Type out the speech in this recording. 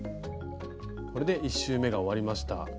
これで１周目が終わりました。